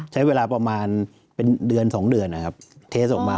ใช้เวลาประมาณเป็นเดือน๒เดือนเล่นเหอะมา